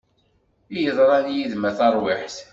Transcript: I yeḍran yid-m a tarwiḥt!